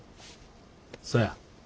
そや。